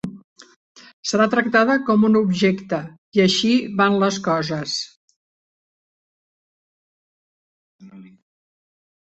Serà tractada com un objecte, i així van les coses.